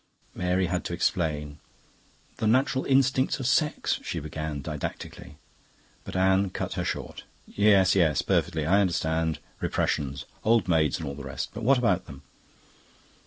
Mary had to explain. "The natural instincts of sex..." she began didactically. But Anne cut her short. "Yes, yes. Perfectly. I understand. Repressions! old maids and all the rest. But what about them?"